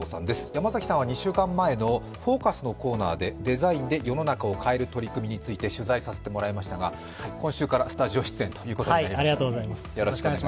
山崎さんは２週間前の「ＦＯＣＵＳ」のコーナーでデザインで世の中を変える取り組みについて取材させていただきましたが今週からスタジオ出演ということになりました。